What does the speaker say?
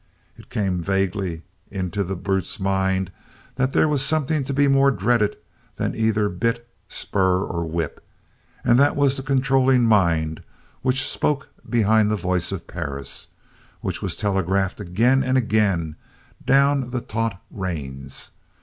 It came vaguely into the brutes' mind that there was something to be more dreaded than either bit, spur, or whip, and that was the controlling mind which spoke behind the voice of Perris, which was telegraphed again and again down the taut reins.